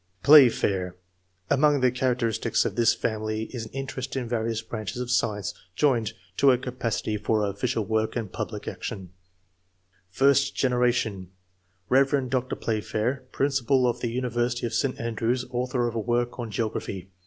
Playfair. — Among the characteristics of this 56 ENGLISH MEN OF SCIENCE. [chap. family is an interest in various branches of science joined to a capacity for oflBcial work and public action. First generation. — Kev. Dr. Playfair, principal of the university of St. Andrews, author of a work on geography.